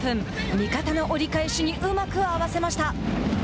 味方の折り返しにうまく合わせました。